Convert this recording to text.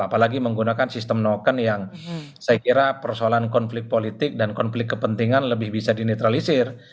apalagi menggunakan sistem noken yang saya kira persoalan konflik politik dan konflik kepentingan lebih bisa dinetralisir